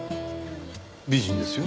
美人ですよ。